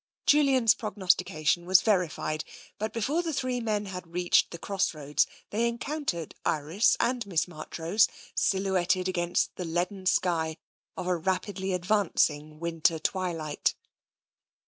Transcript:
Julian's prognostication was verified, but before the three men had reached the cross roads they encoun tered Iris and Miss Marchrose, silhouetted against the leaden sky of a rapidly advancing winter twilight.